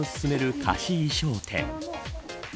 貸衣装店。